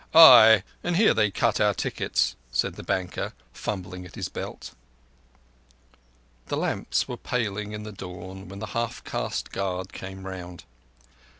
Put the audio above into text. "Ay, and here they cut our tickets," said the banker, fumbling at his belt. The lamps were paling in the dawn when the half caste guard came round.